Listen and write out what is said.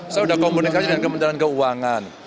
saya sudah komunikasi dengan kementerian keuangan